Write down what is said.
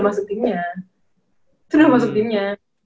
aku udah masuk timnya